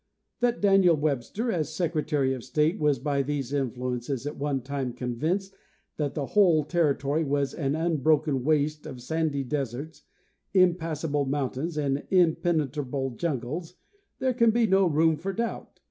That Daniel Webster, as Secretary of State, was by these influences at one time convinced that the whole territory was an unbroken waste of sandy deserts, impassable mountains, and impenetrable jungles there can be no room for doubt.